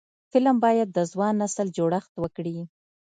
فلم باید د ځوان نسل جوړښت وکړي